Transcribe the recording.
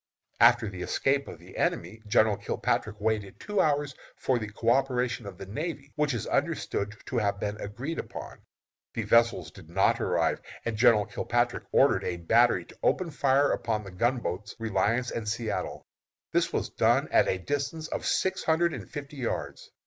"After the escape of the enemy, General Kilpatrick waited two hours for the coöperation of the navy, which is understood to have been agreed upon. The vessels did not arrive, and General Kilpatrick ordered a battery to open fire upon the gunboats Reliance and Satellite. This was done at the distance of six hundred and fifty yards.